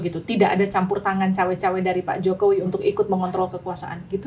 tidak ada campur tangan cawe cawe dari pak jokowi untuk ikut mengontrol kekuasaan gitu